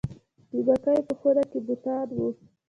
د مکې په خونه کې بوتان وو.